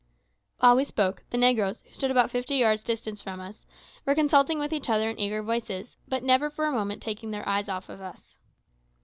While we spoke, the negroes, who stood about fifty yards distant from us, were consulting with each other in eager voices, but never for a moment taking their eyes off us.